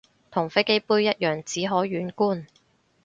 同飛機杯一樣只可遠觀